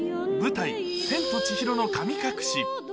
舞台『千と千尋の神隠し』